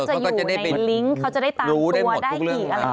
มันก็จะอยู่ในลิงค์เขาจะได้ตามตัวได้อีกหรือเปล่า